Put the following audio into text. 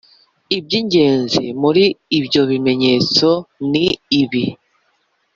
Iby ingenzi muri ibyo bimenyetso ni ibi